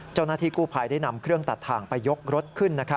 เจ้าหน้าที่กู้ภัยได้นำเครื่องตัดทางไปยกรถขึ้น